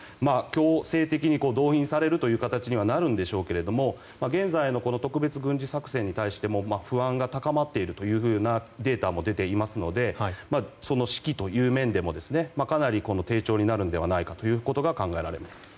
強制的に動員されるという形にはなるんでしょうけども現在の特別軍事作戦に対しても不安が高まっているというデータも出ていますので士気という面でもかなり低調になるのではないかということが考えられます。